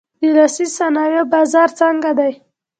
د لاسي صنایعو بازار څنګه دی؟